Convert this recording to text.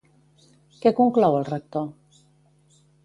Què conclou el Rector?